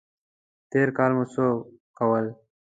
تېر کال مو څه کول؟